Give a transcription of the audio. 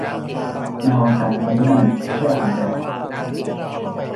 แมวของฉันนอนที่นั่น เพื่ออาบแดด